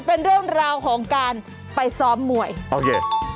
เป็นเรื่องราวของการไปซ้อมมวยโอเค